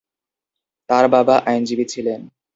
তাঁর বাবা আইনজীবী ছিলেন।